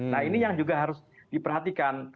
nah ini yang juga harus diperhatikan